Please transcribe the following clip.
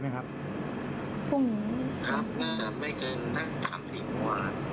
เราเจอคนไม่ดีแค่คนเดียว